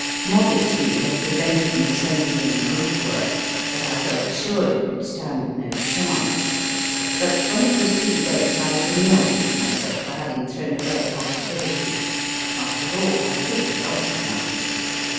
Modesty had pre vented me sending in old work, as I felt assured it would stand no chance, but when it was too late I was annoyed with myself for having thrown away a possi bility. After all I could have lost nothing.